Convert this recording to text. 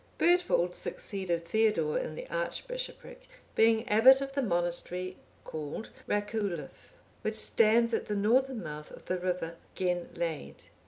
Bertwald(806) succeeded Theodore in the archbishopric, being abbot of the monastery called Racuulfe,(807) which stands at the northern mouth of the river Genlade.